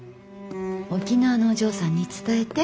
沖縄のお嬢さんに伝えて。